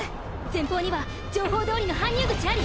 前方には情報どおりの搬入口あり。